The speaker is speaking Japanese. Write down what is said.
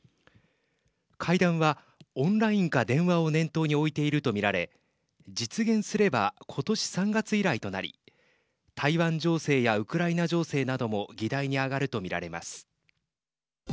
会談は、オンラインか電話を念頭に置いていると見られ実現すればことし３月以来となり台湾情勢やウクライナ情勢なども議題に上がると見られます。